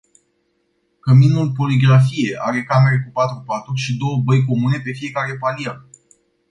Căminul Poligrafie are camere cu patru paturi și două băi comune pe fiecare palier.